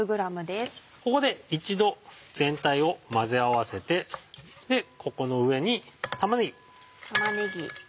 ここで一度全体を混ぜ合わせてここの上に玉ねぎ。